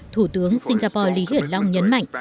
thủ tướng singapore lý hiển long nhấn mạnh